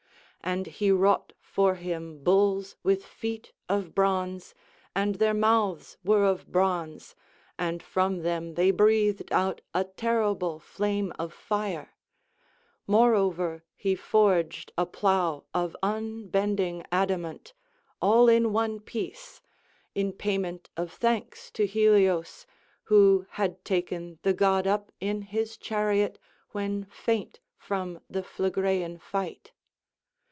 And he wrought for him bulls with feet of bronze, and their mouths were of bronze, and from them they breathed out a terrible flame of fire; moreover he forged a plough of unbending adamant, all in one piece, in payment of thanks to Helios, who had taken the god up in his chariot when faint from the Phlegraean fight.